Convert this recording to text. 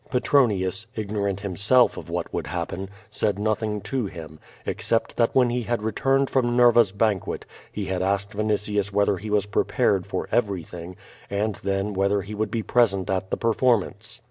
Petronius, ignorant himself of what would happen, said nothing to him, except that when he had returned from Nerva's banquet he had asked Alnitius whether he was prepared for everything, and then wliether he would be present at the performance.